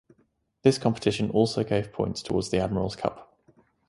This competition also gave points towards the Admiral's Cup.